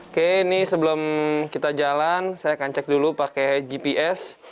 oke ini sebelum kita jalan saya akan cek dulu pakai gps